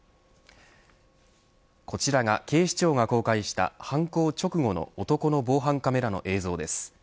こちらが警視庁が公開した犯行直後の男の防犯カメラの映像です。